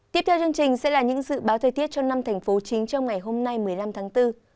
tiếp theo chương trình sẽ là những dự báo thời tiết cho năm thành phố chính trong ngày hôm nay một mươi năm tháng bốn